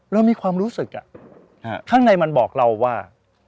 เรามีความรู้สึกข้างในมันบอกเราว่า